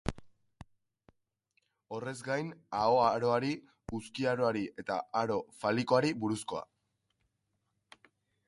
Horrez gain, aho-aroari, uzki-aroari eta aro falikoari buruzkoa.